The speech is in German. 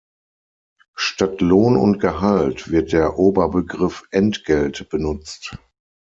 Statt Lohn und Gehalt wird der Oberbegriff Entgelt benutzt.